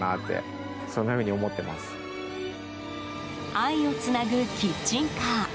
愛をつなぐキッチンカー。